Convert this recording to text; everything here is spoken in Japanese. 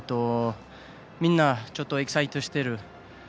みんな、ちょっとエキサイトしてる。